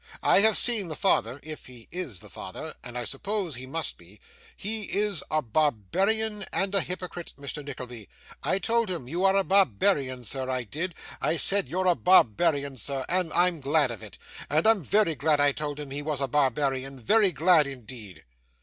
I have seen the father if he is the father and I suppose he must be. He is a barbarian and a hypocrite, Mr. Nickleby. I told him, "You are a barbarian, sir." I did. I said, "You're a barbarian, sir." And I'm glad of it, I am VERY glad I told him he was a barbarian, very glad indeed!